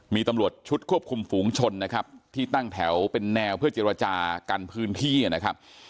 มีตำรวจชุดควบคุมฝูงชนนะครับที่ตั้งแถวเป็นแนวเพื่อเจรจากันพื้นที่นะครับ